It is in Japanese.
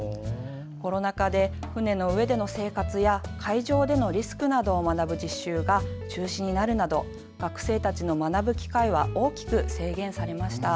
コロナ禍で、船の上での生活や海上でのリスクなどを学ぶ実習が中止になるなど学生たちの学ぶ機会は大きく制限されました。